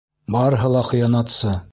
Барыһы ла хыянатсы!